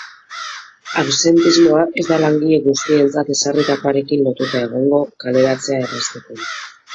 Absentismoa ez da langile guztientzat ezarritakoarekin lotuta egongo, kaleratzea errazteko.